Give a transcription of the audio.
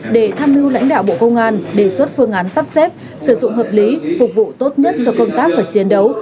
để tham mưu lãnh đạo bộ công an đề xuất phương án sắp xếp sử dụng hợp lý phục vụ tốt nhất cho công tác và chiến đấu